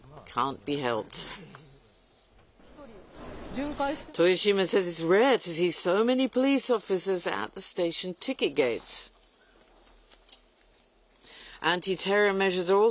巡回しています。